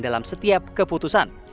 dalam setiap keputusan